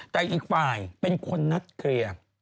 แต่อีกฝ่ายเป็นคนนัดเคลียร์